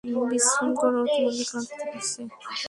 বিশ্রাম করো, তোমাকে ক্লান্ত দেখাচ্ছে।